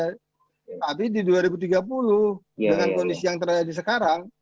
tapi di dua ribu tiga puluh dengan kondisi yang terjadi sekarang